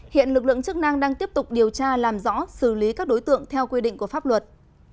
hiện lực lượng chức năng đang tiếp tục điều tra làm rõ xử lý các đối tượng theo quy định của pháp luật